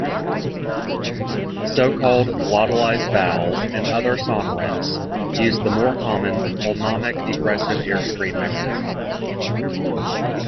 So-called glottalized vowels and other sonorants use the more common pulmonic egressive airstream mechanism.